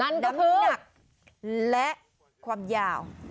น้ำหนักและความยาว